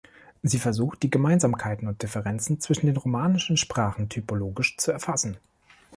Sie versucht, die Gemeinsamkeiten und Differenzen zwischen den romanischen Sprachen typologisch zu erfassen.